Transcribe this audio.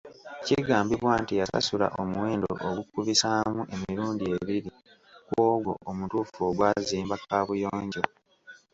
Kigambibwa nti yasasula omuwendo ogukubisaamu emirundi ebiri ku ogwo omutuufu ogwazimba kaabuyonjo.